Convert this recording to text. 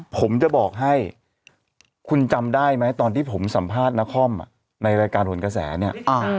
ผมจะบอกให้คุณจำได้ไหมตอนที่ผมสัมภาษณ์นครในรายการหนกระแสเนี่ย